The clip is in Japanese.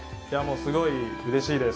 もうすごいうれしいです。